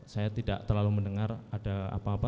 saya tidak terlalu mendengar ada apa apa